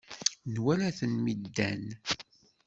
Nwala-ten mi ddan.